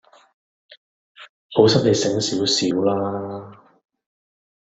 好心你醒少少啦